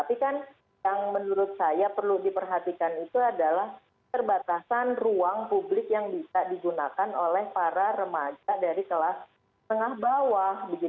tapi kan yang menurut saya perlu diperhatikan itu adalah terbatasan ruang publik yang bisa digunakan oleh para remaja dari kelas tengah bawah